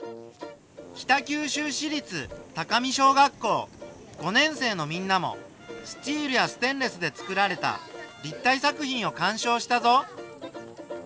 北九州市立高見小学校５年生のみんなもスチールやステンレスでつくられた立体作品をかんしょうしたぞ。